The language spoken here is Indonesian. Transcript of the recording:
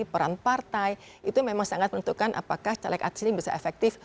peran partai itu memang sangat menentukan apakah caleg artis ini bisa efektif